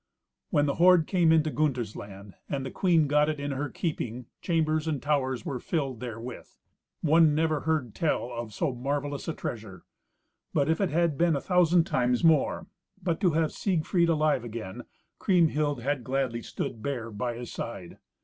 When the hoard came into Gunther's land, and the queen got it in her keeping, chambers and towers were filled full therewith. One never heard tell of so marvelous a treasure. But if it had been a thousand times more, but to have Siegfried alive again, Kriemhild had gladly stood bare by his side.